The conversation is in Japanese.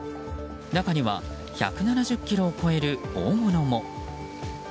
中には１７０ｋｇを超える大物も。